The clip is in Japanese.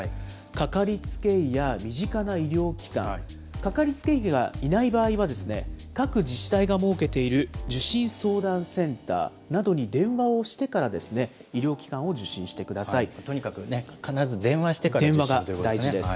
かかりつけ医や身近な医療機関、かかりつけ医がいない場合は、各自治体が設けている受診・相談センターなどに電話をしてから、とにかくね、必ず電話してか電話が大事です。